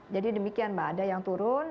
jadi demikian mbak ada yang turun